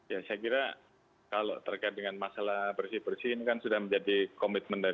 ya saya kira kalau terkait dengan masalah bersih bersih ini kan sudah menjadi komitmen dari